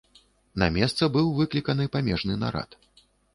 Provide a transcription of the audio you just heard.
На месца быў выкліканы памежны нарад.